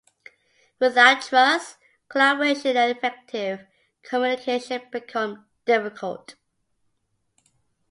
Without trust, collaboration and effective communication become difficult.